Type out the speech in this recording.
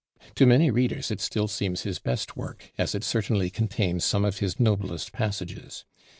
To many readers it still seems his best work, as it certainly contains some of his noblest passages.